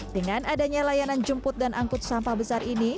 dengan adanya layanan jemput dan angkut sampah besar ini